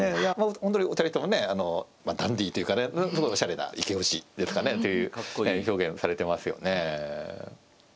ほんとに２人ともねダンディーというかねおしゃれなイケオジですかねという表現をされてますよね。